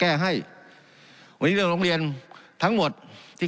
การปรับปรุงทางพื้นฐานสนามบิน